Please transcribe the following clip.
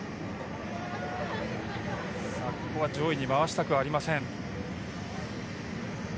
ここは上位に回したくはありません。